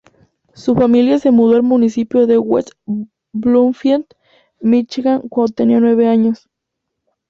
Su familia se mudó al Municipio de West Bloomfield, Michigan cuando tenía nueve años.